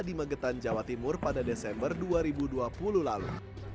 di magetan jawa timur pada desember dua ribu dua puluh lalu